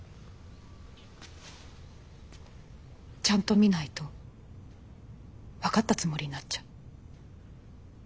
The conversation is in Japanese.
ちゃんと見ないと分かったつもりになっちゃう。